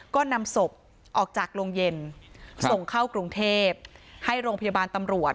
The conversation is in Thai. ก็นำศพออกจากโรงเย็นส่งเข้ากรุงเทพให้โรงพยาบาลตำรวจ